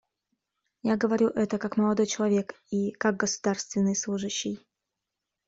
Я говорю это как молодой человек и как государственный служащий.